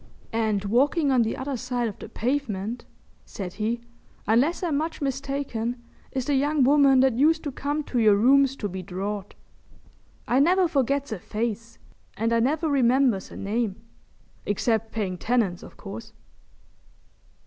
"And walking on the other side of the pavement," said he, "unless I'm much mistaken, is the young woman that used to come to your rooms to be drawed. I never forgets a face and I never remembers a name, except paying tenants, o' course!"